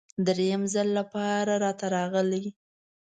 دریم ځل لپاره راته راغی.